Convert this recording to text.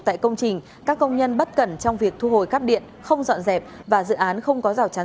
tại công trình các công nhân bất cẩn trong việc thu hồi cắp điện không dọn dẹp và dự án không có rào chắn